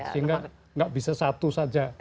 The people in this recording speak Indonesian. sehingga nggak bisa satu saja